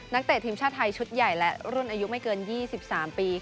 เตะทีมชาติไทยชุดใหญ่และรุ่นอายุไม่เกิน๒๓ปี